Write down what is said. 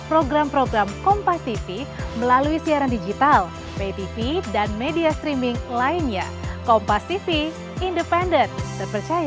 program program kompas tv melalui siaran digital ptv dan media streaming lainnya kompas tv independent